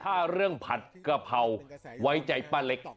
ถ้าเรื่องผัดกะเพราไว้ใจป้าเล็ก